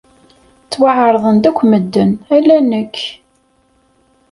Ttwaɛerḍen-d akk medden, ala nekk.